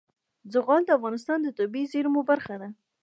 زغال د افغانستان د طبیعي زیرمو برخه ده.